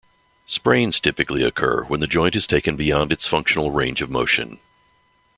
Sprains typically occur when the joint is taken beyond its functional range of motion.